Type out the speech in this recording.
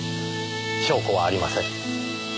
証拠はありません。